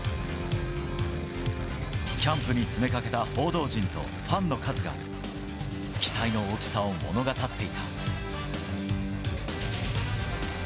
キャンプに詰め掛けた報道陣とファンの数が期待の大きさを物語っていた。